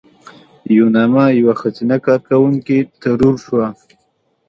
یوناما یوه ښځینه کارکوونکې ترور شوه.